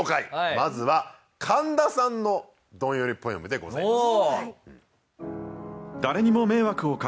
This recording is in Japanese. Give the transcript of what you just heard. まずは神田さんのどんよりポエムでございます。